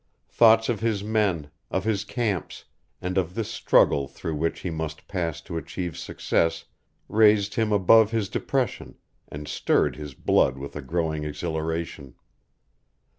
Thoughts of his men, of his camps, and of this struggle through which he must pass to achieve success raised him above his depression, and stirred his blood with a growing exhilaration.